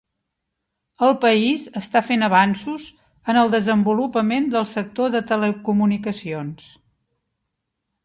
El país està fent avanços en el desenvolupament del sector de telecomunicacions.